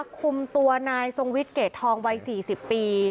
คุมตัวนายทรงวิทย์เกรดทองวัย๔๐ปี